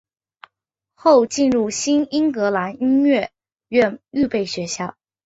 后进入新英格兰音乐院预备学校。